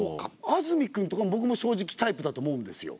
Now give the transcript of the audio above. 安住くんとかも僕も正直タイプだと思うんですよ。